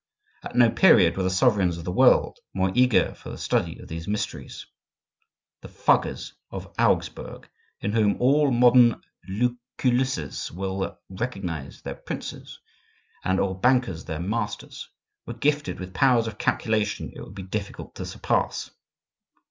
At no period were the sovereigns of the world more eager for the study of these mysteries. The Fuggers of Augsburg, in whom all modern Luculluses will recognize their princes, and all bankers their masters, were gifted with powers of calculation it would be difficult to surpass.